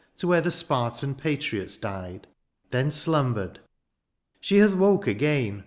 To where the Spartan patriots died. Then slumbered : she hath woke again.